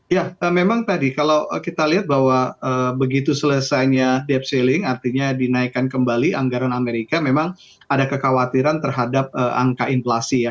ya memang tadi kalau kita lihat bahwa begitu selesainya debt celling artinya dinaikkan kembali anggaran amerika memang ada kekhawatiran terhadap angka inflasi ya